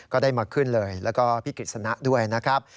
ก็ได้มาขึ้นเลยแล้วก็พี่กฤษณะด้วยนะครับ